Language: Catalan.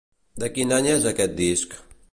De quin any és aquest disc?